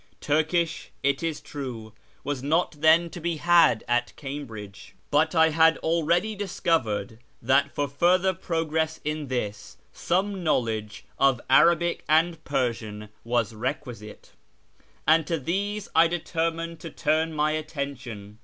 Turkish, it is true, was not then to be had at Cambridge ; but 1 had already discovered that for further progress in this some knowledge of Arabic and Persian was requisite ; and to these I determined to turn my attention.